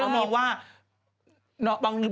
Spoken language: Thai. แล้วคนก็น้องมองว่า